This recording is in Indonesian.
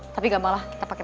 tapi gak malah kita pake maps